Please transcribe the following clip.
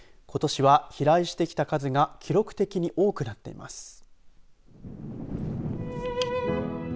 ことしは飛来してきた数が記録的に多くなっています。